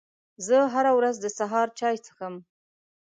زه هره ورځ د سهار چای څښم